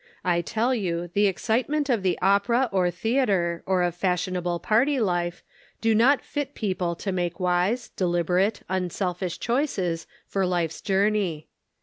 I tell you the excite ment of the opera or theater, or of fashionable party life, do not fit people to make wise, deliberate, unselfish choices for life's journey.